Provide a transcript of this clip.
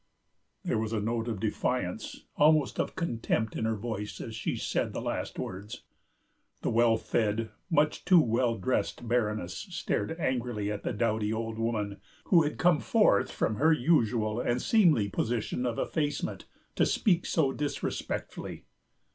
There was a note of defiance, almost of contempt, in her voice as she said the last words. The well fed, much too well dressed Baroness stared angrily at the dowdy old woman who had come forth from her usual and seemly position of effacement to speak so disrespectfully.